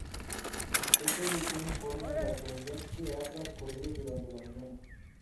Esta edición informa la actualidad que ha transcurrido durante la mañana.